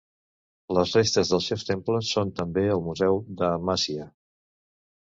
Les restes dels seus temples són també al museu d'Amasya.